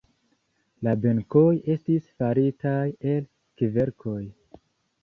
La benkoj estis faritaj el kverkoj.